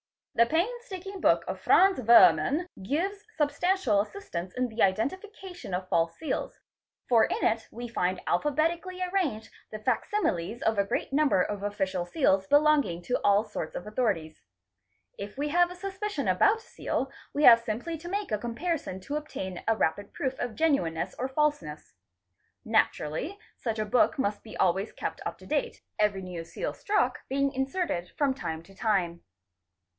The painstaking book of Franz Wurmann"®™© gives substantial assist ance in the identification of false seals, for in it we find alphabetically arranged the facsimiles of a great number of official seals belonging to all sorts of authorities. If we havea suspicion about a seal, we have — simply to make a comparison to obtain a rapid proof of genuineness or falseness. Naturally such a book must be always kept up to date, every new seal struck being inserted from time to time.